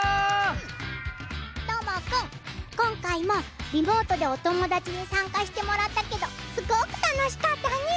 どーもくんこんかいもリモートでおともだちにさんかしてもらったけどすごくたのしかったね。